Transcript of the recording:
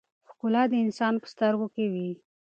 ښکلا د انسان په سترګو کې وي.